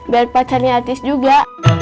biar pacarnya artis juga